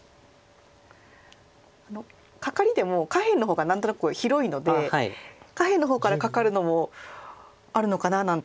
カカリでも下辺の方が何となく広いので下辺の方からカカるのもあるのかななんて。